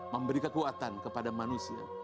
memberi kekuatan kepada manusia